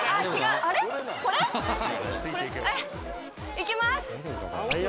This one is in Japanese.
いきます！